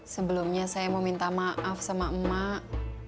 sebelumnya saya mau minta maaf sama emak